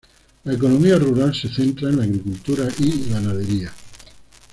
La economía rural se centra en la agricultura y ganadería.